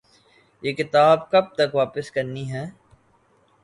یہ کتاب کب تک واپس کرنی ہے؟